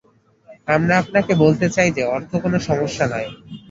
আমরা আপনাকে বলতে চাই যে অর্থ কোনো সমস্যা নয়।